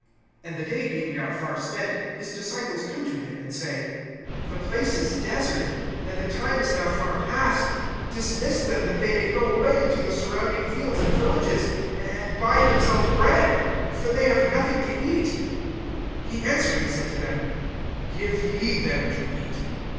(35)And the day being now far spent, his disciples come to him, and say: The place is desert, and the time is now far passed. (36)Dismiss them, that they may go away into the surrounding fields and villages, and buy themselves bread; for they have nothing to eat. (37)He answering said to them: Give ye them to eat.